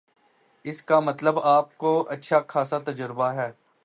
اس کا مطلب آپ کو اچھا خاصا تجربہ ہے